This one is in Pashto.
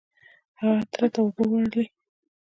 هغې تره ته اوبه وړلې.